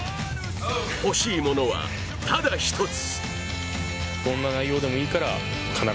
欲しいものは、ただ一つ。